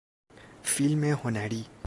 فیلم هنری